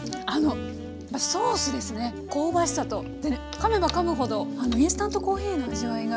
かめばかむほどインスタントコーヒーの味わいが少し。